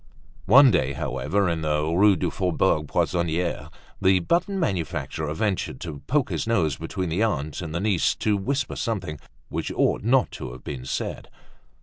One day, however, in the Rue du Faubourg Poissonniere the button manufacturer ventured to poke his nose between the aunt and the niece to whisper some things which ought not to have been said.